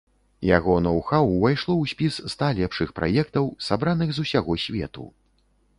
Яго ноу-хау ўвайшло ў спіс ста лепшых праектаў, сабраных з усяго свету.